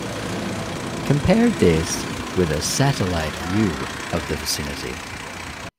Compare this with a satellite view of the vicinity.